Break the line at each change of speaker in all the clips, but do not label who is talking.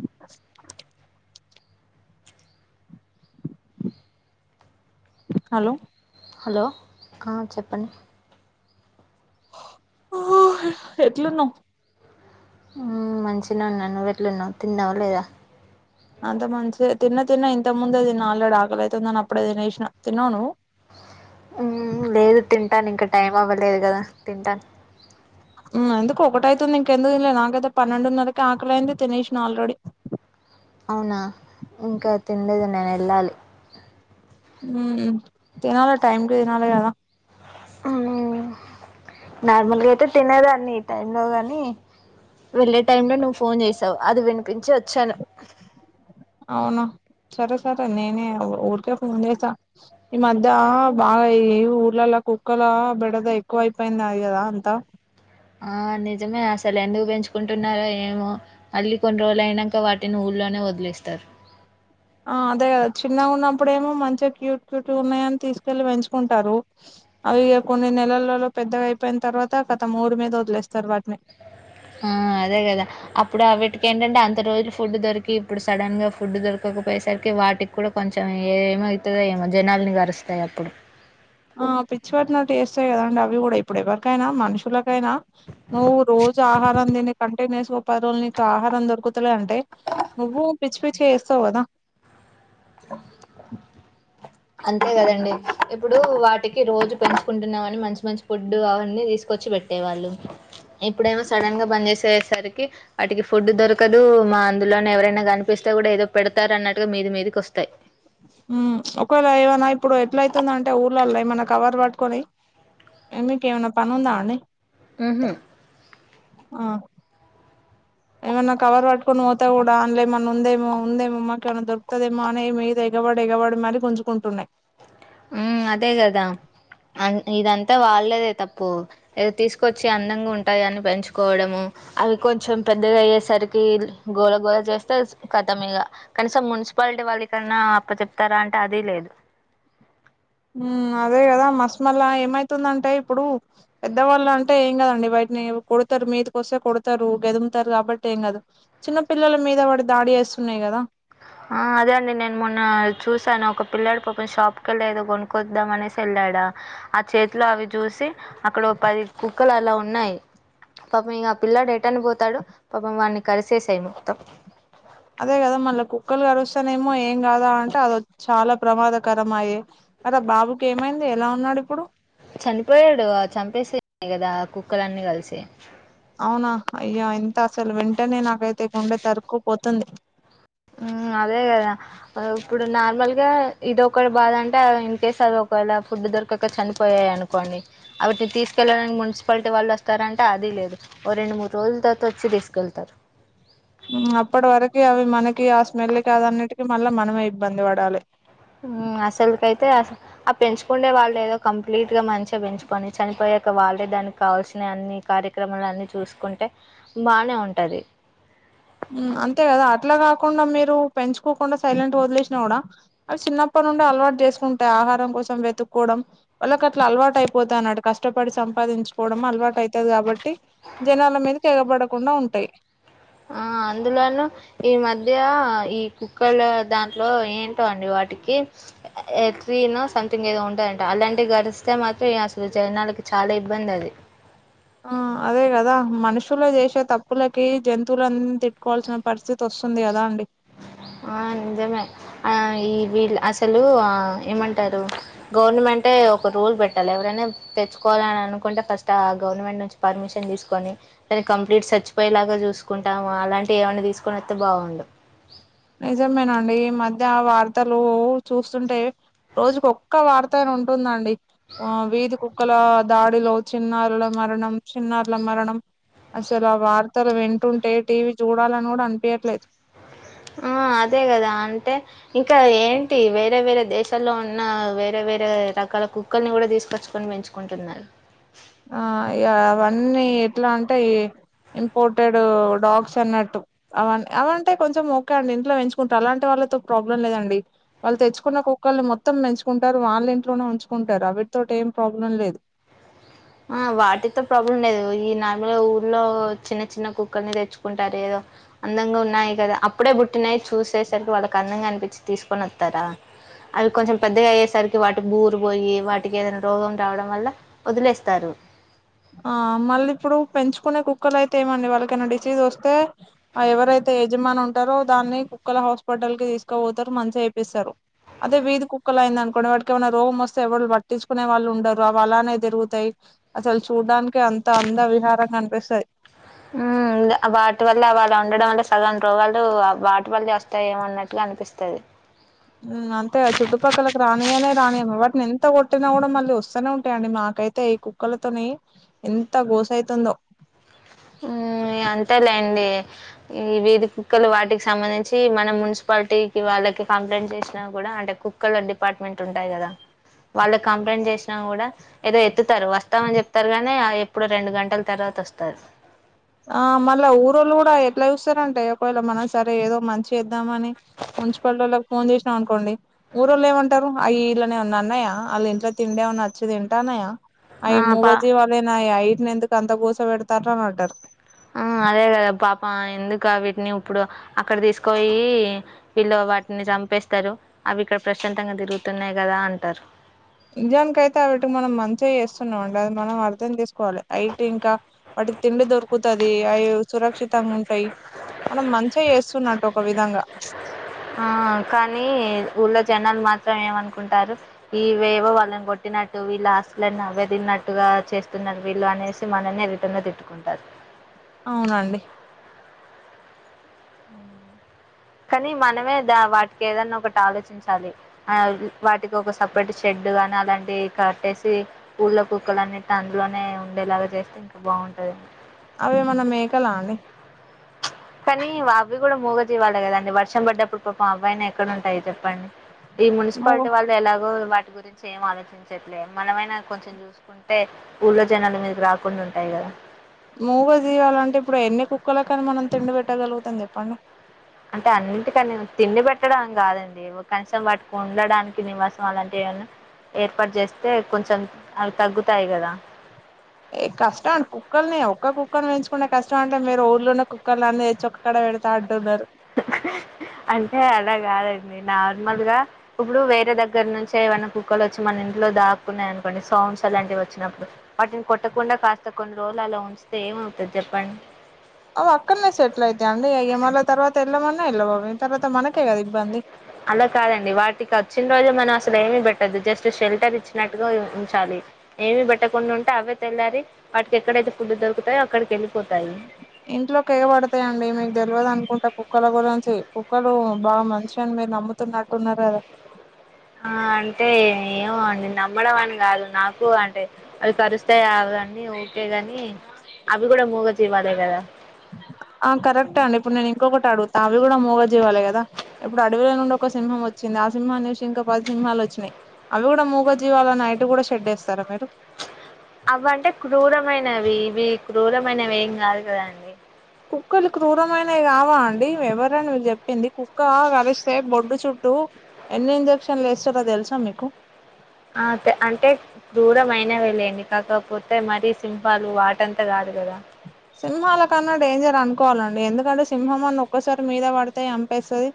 [inaudible] Hello
hello ఆ చెప్పండి
ఎట్లున్నవ్
మంచిగనే ఉన్నా నువ్వెట్లున్నవు తిన్నవా లేదా
అంత మంచిదె తిన్న తిన్న ఇంతకు ముందే తిన్న ఆల్రెడీ ఆకలయితుందని అప్పుడే దినేసినా తిన్నవా నువ్వు
మ్మ్ లేదు తింటానింక టైం అవ్వలేదు కదా తింటాను
ఉమ్ ఎందుకు ఒకటైతుంది ఇంకెందుకు తినలేదు నాకైతే పన్నెండున్నరకే ఆకలైంది తినేసిన ఆల్రెడీ
అవునా ఇంక తినల్దు నేనెళ్ళాలి
ఉమ్ తినాలె టైంకి తినాలీ గదా [inaudible]
నార్మల్గయితే తినేదాన్ని ఈ టైమ్ లో గాని వెళ్ళే టైంలో నువ్వు ఫోన్ చేసావు అది వినిపించి వచ్చాను
అవునా సరే సరే నేనే ఊరికే ఫోన్ చేసా ఈ మధ్య బాగా ఈ ఊర్లలో కుక్కల బెడద ఎక్కువ అయిపోయింది అది కదా అంతా
ఆ నిజమే అసలు ఎందుకు పెంచుకుంటున్నారు ఏమో అది కొన్ని రోలు అయినాక వాటిని ఊళ్ళోనే వదిలేస్తారు
ఆ అదే కదా చిన్నగా ఉన్నప్పుడేమో మంచిగా క్యూట్ క్యూట్ ఉన్నాయని తీసుకెళ్ళి పెంచుకుంటారు అవి కొన్ని నెలలలో పెద్దగా అయిపోయిన తర్వాత గత రోడ్ మీదకి వదిలేస్తారు వాటిని
మ్మ్ అదే కదా అప్పుడు వాటికి ఏంటంటే అంత రోజులు ఫుడ్ దొరికి ఇప్పుడు సడన్ గా ఫుడ్ దొరకకపోయేసరికి వాటికి కూడా కొంచెం ఏ ఏమయతదో ఏమో జనాల్ని గరుస్తాయి అప్పుడు
ఆ పిచ్చి పట్టినటు వేస్తాయి కదండి అవి కూడా ఇప్పుడు ఏవరికైనా మనుషులకైనా నువ్వు రోజు ఆహారం దీని కంటిన్యూస్ ప రోజు నీకు ఆహారం దొరుకుతు తు అంటే నువ్వు పిచ్చి పిచ్చి వేస్తావు కదా
[inaudible] అంతే కదండి ఇప్పుడు వాటికి రోజు పెంచుకుంటున్నామని మంచి మంచి ఫుడ్ అవన్నీ తీసుకొచ్చి పెట్ ట్టే వాళ్ళు ఇప్పుడేమో సడన్ గా బంద్ చేసేసరికి వాటికి ఫుడ్ దొరకదు మా అందులోనే ఎవరైనా కనిపిస్తే కూడా ఏదో పెడతారు అన్నట్టుగా మీది మీదికి వస్తాయి
ఒకవేళ ఏమైనా ఇప్పుడు ఎట్ల అయితుండంటే ఊర్లల్లో ఏమన్న కవర్ పట్టుకొని ఏ మీకేమైనా పని ఉందా అండి
ఉహ్మ్మ్
ఆ ఏమైన్నా కవర్ పట్కొని పోతా కూడా అన్లో ఏమన్నా ఉందేమో ఉందేమో మాకు ఏమైనా దొరుకుతదేమో అనే మీద ఎగవడి ఎగవడి మరి గుంజుకుంటునాయి
ఆ అదే కదా ఇదంతా వాళ్ళదే తప్పు ఏదో తీసుకొచ్చి అందంగా ఉంటాయ అని పెంచుకోవడము అవి కొంచెం పెద్దగా అయ్యేసరికి గోళ గోళ చేస్తే ఖతమే ఇగా కనీసం మున్సిపాలిటీ వాళ్ళ కన్నా అప్పచెప్తారా అంటే అది లేదు
అదే కదా మస్త్ మళా ఏమైతుందంటే ఇప్పుడు పెద్దవాళ్ళు అంటే ఏం కదండి బయటిని కొడతారు మీదికి వస్తే కొడతారు గెదుముతారు కాబట్టి ఏం కాదు చిన్న పిల్లల మీద వడి దాడి చేేస్తున్నాయి కదా
ఆ అదే అండి నేను మొన్న చూసాను ఒక పిల్లాడు పాపం షాప్కికెళ్ళి లేదో కొనుక్కొద్దాం అనేసి వెళ్ళాడా ఆ చేతిలో అవి చూసి అక్కడ పది కుక్కలు అలా ఉన్నాయి పాపం ఇంక ఆ పిల్లాడు ఎటర్న్ పోతాడు పాపం వాడిని కలిసేసాయి మొత్తం
అదే కదా మళ్ళీ కుక్కలు గరుస్తానేమో ఏం కాదా అంటే అది చాలా ప్రమాదకరం అయ్యే అద బాబుకి ఏమైంది ఎలా ఉన్నాడు ఇప్పుడు
చనిపోయాడు చంపేసేయి కదా కుక్కలన్నీ కలిసి
అవునా అయో ఎంత అసలు వెంటనే నాకైతే గుండె తరుక్కు పోతుంది
ఉమ్ అదే కదా ఇప్పుడు నార్మల్ గా ఇది ఒకటి బాధ అంటే ఇన్ కేేస్ అది ఒకవేళ ఫుడ్ దొరకక చనిపోయాయి అనుకో కోండి వాటిని తీసుకెళ్ళడానికి మున్సిపాలిటీ వాళ్ళు వస్తారంటే అది లేదు ఓ రెండు మూడు రోజుల తవాత వచ్చి తీసుకెళ్తారు
అప్పటి వరకు అవి మనకి ఆ స్మెల్ కాద అన్నిటిక మళ్ళా మనమే ఇబ్బంది పడాలి
మ్మ్ అసలు కైతే అస ఆ పెంచుకుంటే వాళ్ళు ఏదో కంప్లీట్ గా మంచిగా పెంచుకొని చనిపోయాక వాళ్ళే దానికి కావాల్సిన అన్ని కార్య క్రమలు అన్నీ చూసుకుంటే బాగానే ఉంటుంది
అంతే కదా అట్లా కాకుండా మీరు పెంచుకోకుండా సైలెంట్ వదిలేసినా కూడా అవి చిన్నప్పటి నుండి అలవాటు చేసుకుంటాయి ఆహారం కోసం వెతుక్కోవడం వాళ్ళకు అట్లా అలవాటు అయిపోతది అన్నట్టు కష్టపడి సంపాదించుకోవడం అలవాటు అయితది కాబట్టి జనాల మీదకి ఎగబడకుండా ఉంటయి.
ఆ అందులోను ఈ మధ్య ఈ కుక్కలు దాంట్లో ఏం టో అండి వాటికి ఎట్రినో సంథింగ్ ఏదో ఉంటదంట అలాంటివి కరిస్తే మాత్రం అసలు జనాలకి చాలా ఇబ్బంది అది.
ఆ అదే కదా మనుషులు చేసే తప్పులకి జంతువులను తిట్టుకోవాల్సిన పరిస్థితి వస్తుంది కదా అండి.
ఆ నిజమే ఆ ఈ వీళ్ళ అసలు ఆ ఏమంటరు గవర్నమెంటే ఒక రూల్ పెట్టాలి ఎవరైనా తెచ్చుకోవాలని అనుకుంటే ఫస్ట్ ఆ గవర్నమెంట్ నుంచి పర్మిషన్ తీసుకొని దాన్ని కంప్లీట్ సచ్చిపోయేలాగా చూసుకుంటాము అలాంటివి ఏమైనా తీసుకొనివత్తే బాగుండు.
నిజమేనండి ఈ మధ్య వార్తలు చూస్తుంటే రోజుకు ఒక్క వార్తా అయినా ఉంటుందండి ఆ వీధి కు క్కలా దాడిలో చిన్నారుల మరణం చిన్నారుల మరణం. అసలు ఆ వార్తలు వింటుంటే టీవీ చూడాలని కూడా అనిపియట్లేదు.
ఆ అదే కదా అంటే ఇంకా ఏంటి వేరే వేరే దేశాల్లో ఉన్న వేరే వేరే రకాల కుక్కల్ని కూడా తీసుకచ్చుకొని పెంచు కుంటున్నారు.
ఆ ఇగ అవన్నీ ఎట్లా అంటే ఈ ఇంపోర్టెడ్ డాగ్స్ అన్నట్టు. అవన్ని అవంటే కొంచెం ఓకే అండి ఇంట్లో పెంచుకుంటారు అలాంటి వాళ్ళతో ప్రాబ్లం లేదండి. వాళ్ళు తెచ్చుకున్న కుక్కల్ని మొత్తం పెంచుకుంటారు, వాళ్ళ ఇంట్లోనే ఉంచుకుంటారు అవిటితోటి ఏం ప్రాబ్లం లేదు.
ఆ వాటితో ప్రాబ్లం లేదు ఈ నార్మల్గా ఊర్లో చిన్న చిన్న కుక్కల్ని తెచ్చుకుంటారు ఏదో అందంగా ఉన్నాయి కదా అప్పుడే పుట్టినయి చూసేసరికి వాళ్ళకి అందంగా అనిపిచ్చి తీసుకొని వత్తారా. అవి కొంచెం పెద్దగా అయ్యేసరికి వాటికి బూరు పోయి వాటికి ఏదైనా రోగం రావడం వల్ల వదిలేస్ తరు.
ఆ మళ్ళ ఇప్పుడు పెంచుకునే కుక్కలు అయితే ఏమండి వాళ్ళకేమన్నా డిసీజ్ వస్తే ఆ ఎవరైతే యజమాని ఉంటరో దాన్ని కుక్కల హాస్పిటల్ కి తీసుకపోతరు మంచిగా చేపిస్తరు. అదే వీధి కుక్కలు అయింది అనుకోండి వాటికి ఏమన్నా రోగం వస్తే ఎవళు పట్టించుకునే వాళ్ళు ఉండరు అవి అలానే తిరుగుతయి. అసలు చూడడానికే అంత అంద విహారంగా అనిపిస్తయి.
ఉ గ వాటి వళ్ళా అవి అలా ఉండడం వల్ల సగం రోగాలు వాటి వల్లే వస్తాయి ఏమో అన్నట్టుగా అనిపిస్తది.
అంతేగా చుట్టుపక్కలకు రానియనే రానియము వాటిని ఎంత కొట్టినా కూడా మళ్ళీ వస్తనే ఉంటయండి మాకైతే ఈ కు కుక్కలతోని ఎంత గోస అయితుందో.
హ్ ఇగ అంతే లేండి. ఈ వీధి కుక్కలు వాటికి సంబంధించి మనం మున్సిపాలిటీకి వాళ్ళకి కంప్లైంట్ చేశినా కూడా అంటే కు క్కల డిపార్ట్మెంట్ ఉంటాయి కదా వాళ్ళకు కంప్లైంట్ చేసినా కూడా ఏదో ఎత్తుతరు వస్తాము అని చెప్తరు కానీ ఆ ఎప్పుడో రెండు గంటల తర్వాత వస్తారు.
ఆ మళ్ళా ఊరోళ్ళు కూడా ఎట్లా చూస్తరంటే ఒకవేళ మన సరే ఏదో మంచి చేద్దామని మున్సిపాలిటోళ్ళకు ఫోన్ చేశినం అనుకోండి ఊరోల్లు ఏమంటరు అయి ఇళ్ళని ఎమన్నా అన్నయా ఆళ్ళ ఇంట్లో తిండే ఏమన్నా అచ్చి తింటన్నయా.
ఆ!
అయి
పా
మూగజీవాలేనాయే అయిట్ని ఎందుకు అంత గోస పెడతాల్లు అని అంటరు.
ఆ అదే కదా పాపం ఎందుకు అవిటిని ఇప్పుడు అక్కడ తీసుకోయి వీళ్ళు వాటిని చంపేస్తరు అవి ఇక్కడ ప్రశాంతంగా తిరుగుతున్నాయి కదా అంటరు.
నిజానికి అయితే అవిటికి మనం మంచిగా చేస్తున్నాం అండి. అది మనం అర్థం తీసుకోవాలి ఐటి ఇంకా వాటికి తిండి దొరుకు దొరుకుతాయి అయి సురక్షితంగా ఉంటాయి మనం మంచిగా చేస్తున్నట్టు ఒక విధంగా
ఆ కానీ ఊళ్ళో జనాలు మాత్రం ఏమనుకుంటారు ఇవేవో వాళ్ళని కొట్టినట్టు వీళ్ళు అస్తులను అవ్వే తినట్టుగా చేస్తున్నారు వీళ్ళు అనేసి మానన్నె రిటర్న్ గా తిట్టుకుంటారు
అవునండి
కానీ మనమే దా వాటికి ఏదన్నా ఒకటి ఆలోచించాలి ఆ వాటికి ఒక సపరేట్ షెడ్ గాని అలాంటివి కట్టేసి ఊళ్ళో కుక్కలు అన్ని అందులోనే ఉండేలాగా చేస్తే ఇంకా బాగుంటాది ఏమో
అవి ఏమన్నా మేకలా అండి
కానీ అవ్వి కూడా మూగజీవాలే కదండి వర్షం పడ్డప్పుడు పాపం అవ్వాయినా ఎక్కడ ఉంటాయి చెప్పండి ఈ
మూగ
మున్సిపాలిటీ వాళ్ళు ఎలాగో వాటి గురించి ఏం ఆలోచించట్లేదు మనమైనా కొంచెం చూసుకుంటే ఊళ్ళో జనాలు మీదకి రాకుండా ఉంటాయి కదా
మూగ జీవాలంటే ఇప్పుడు ఎన్ని కుక్కల కానీ మనం తిండి పెట్టగలుగుతాం చెప్పండి
అంటే అన్నింటికని తిండి పెట్టడం కాదండి కనీసం వాటికి ఉండడానికి నివాసం అలాంటివి ఏమన్నా ఏర్పాటు చేస్తే కొంచెం అవి తగ్గుతాయి కదా
ఏ కష్టం కుక్కల్ని ఒక్క కుక్కని పెంచుకున్నా కష్టం అంటే మీరు ఊళ్ళో ఉన్న కుక్కల్ని అన్ని తెచ్చి ఇక్కడ పెడతా అంటున్నారు
అంటే అలా కాదండి నార్మల్ గా ఇప్పుడు వేరే దగ్గర నుంచి ఏవన్నా కుక్కలు వచ్చి మన ఇంట్లో దాక్కున్నాయి అనుకోండి సౌండ్స్ అలాంటివి వచ్చినప్పుడు వాటిని కొట్టకుండా కాస్త కొన్ని రోజులు అలా ఉంచితే ఏమవుతాది చెప్పండి
అవి అక్కన్నే సెటిల్ అయితాయండి అవి మళ్ళ తర్వాత వెళ్ళమన్నా వెళ్ళావు అవి తర్వాత మనకే కదా ఇబ్బంది
అలా కాదండి వాటికి వచ్చిన రోజే మనం అసలు ఏమి పెట్టదు జస్ట్ షెల్టర్ ఇచ్చినట్టుగా ఉంచాలి ఏమి పెట్టకుండా ఉంటే అవే తెల్లారి వాటికి ఎక్కడైతే ఫుడ్ దొరుకుతాయో అక్కడికి వెళ్ళిపోతాయి
ఇంట్లోకి ఎగబడతాయిండి మీకు తెలవదు అనుకుంటా కుక్కల గురించి కుక్కలు బాగా మంచి అని మీరు నమ్ముత నమ్ముతున్నట్టు ఉన్నారు కదా
ఆ అంటే ఏమో అండి నమ్మడం అని కాదు నాకు అంటే అవి కరుస్తాయి కదండి ఓకేగాని అవి కూడా మూగజీవాలే కదా
ఆ కరెక్టే అండి ఇప్పుడు నేను ఇంకొకటి అడుగుతా అవి కూడా మూగజీవాలే కదా ఇప్పుడు అడవిలో నుండి ఒక సింహం వచ్చింది ఆ సింహాన్ని చూసి ఇంకా పది సింహలు వచ్చినాయి అవి కూడా మూగ జీవాలని అటికి కూడా షెడ్ యేస్తారా మీరు
అవి అంటే క్రూరమైనవి ఇవి క్రూరమైనవి ఏం కాదు కదండి
కుక్కలు క్రూరమైనవి కావా అండి ఎవరండి మీకు చెప్పింది కుక్క కరిస్తే బొడ్డు చుట్టూ ఎన్ని ఇంజెక్షన్లు యేస్తారో తెలుసా మీకు
అతే అంటే క్రూరం అయినావే లేండి కాకపోతే మరీ సింహాలు వాటంతా కాదు కదా
సింహాల కన్నా డేంజర్ అనుకోవాలండి ఎందుకంటే సింహం అన్న ఒక్కసారి మీదే పడితే చంపేస్తాది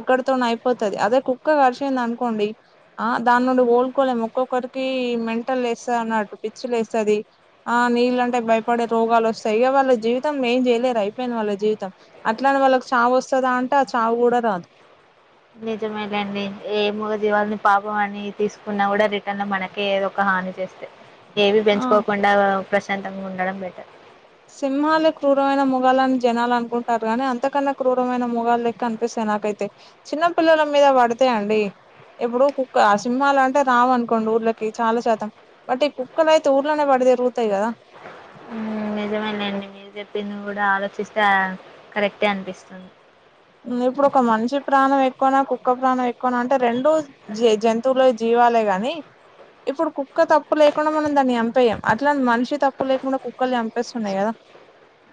అక్కడతోన అయిపోతాది అదే కుక్క కరిసింది అనుకోండి ఆ దాని నుండి కోలుకోలేము ఒక్కొక్కరికి మెంటల్ లేస్తాది అన్నట్టు పిచ్చి లేస్తాది ఆ నీళ్ళంటే భయపడే రోగాలు వస్తాయి ఇక వాళ్ళ జీవితం ఏం చేయలేరు అయిపొయింది వాళ్ళ జీవితం అట్లా అని వాళ్ళకి చావు వస్తాద అంటే ఆ చావు కూడా రాదు
నిజమేలేండి ఏ ముగ జీవాలని పాపం అని తీసుకున్నా కూడా రిటర్న్ మన మనకే ఏదో ఒక హాని చేస్తాయి ఏవి
ఆ
పెంచుకోకుండా ప్రశాంతంగా ఉండడం బెటర్
సింహాలే క్రూరమైన మ్రూగలని జనాలు అనుకుంటారు గాని అంతకన్నా క్రూరమైన మ్రూగలలేక్క అనిపిస్తాయి నాకైతే చిన్న పిల్లల మీద పడితే అండి ఎప్పుడు కుక్క సింహాలంటే రావనుకోండి ఊళ్ళకి చాలా శాతం అంటే కుక్కలైతే ఊర్లనే బడి తిరుగుతాయి గదా
హ్మ్మ్ నిజమేలేండి మీరు చెప్పింది కూడా ఆలోచిస్తే కరెక్టే అనిపిస్తుంది
ఇప్పుడు ఒక మనిషి ప్రాణం ఎక్కువనా కుక్క ప్రాణం ఎక్కువనా అంటే రెండూ జే జంతువుల్లో జీవాలే గాని ఇప్పుడు కుక్క తప్పు లేకుండా మనం దాన్ని చంపెయ్యం అట్లానే మనిషి తప్పు లేకుండా కు కుక్కల్ని చంపేస్తున్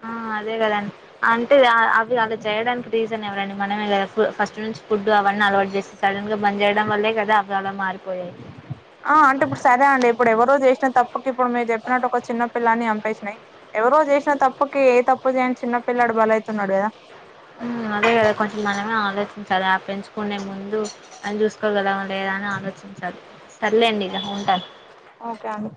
ఆ అదే కదండి అంటే అవి అలా చేయడానికి రీజన్ ఎవరండి మనమే కదా కు ఫస్ట్ నుంచి ఫుడ్ అవన్నీ అలవాటు చేస్త సడన్ గా బంద్ చేయడం వల్లే కదా అవలా మారిపోయాయి
ఆ అంటే ఇప్పుడు సరే అండి ఇప్పుడేవరో చేసిన తప్ ఒకే ఇప్పుడు మీరు చెప్పినట్టు ఒక చిన్న పిల్లాని చంపేసినాయ్ ఎవరో చేసిన తప్పుకి ఏ తప్పు చేయని చిన్న పిల్లాడు బలయితున్నాడు గదా
ఆ అదే కదా కొంచెం మనమే ఆలోచించాలి పెంచుకునే ముందు అని చూసుకోగలమా లేదా అని ఆలోచించాలి సర్లేండి ఇగ ఉంటా
ఓకే అండి